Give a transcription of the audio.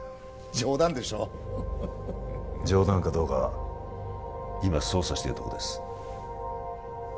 冗談でしょう冗談かどうかは今捜査してるとこです